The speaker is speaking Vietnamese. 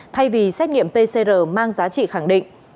thay vì xét nghiệm pcr mang giá trị khẳng định